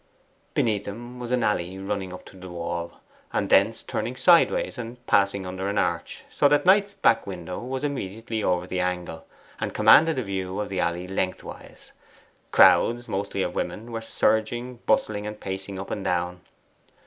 Beneath them was an alley running up to the wall, and thence turning sideways and passing under an arch, so that Knight's back window was immediately over the angle, and commanded a view of the alley lengthwise. Crowds mostly of women were surging, bustling, and pacing up and down.